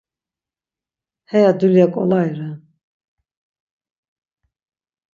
Heya dulya ǩolai ren.